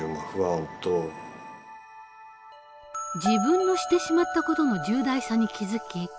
自分のしてしまった事の重大さに気付き